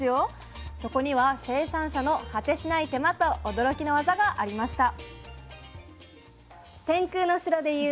そこには生産者の果てしない手間と驚きのワザがありました。